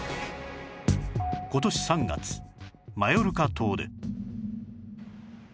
今年３月マヨルカ島で